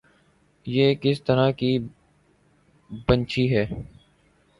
یہ کس طرح کی پنچھی ہے